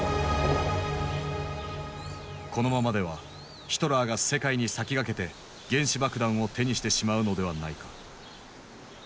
このままではヒトラーが世界に先駆けて原子爆弾を手にしてしまうのではないか。